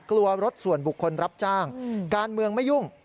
รถส่วนบุคคลรับจ้างการเมืองไม่ยุ่ง